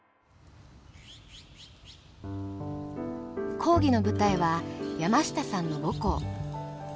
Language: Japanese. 講義の舞台は山下さんの母校。